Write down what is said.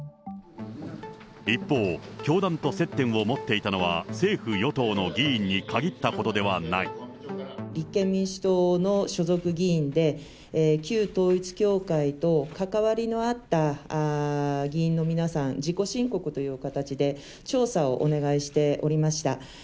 一方、教団と接点を持っていたのは政府・与党の議員に限ったことではな立憲民主党の所属議員で、旧統一教会と関わりのあった議員の皆さん、自己申告という形で調査をお願いしておりました。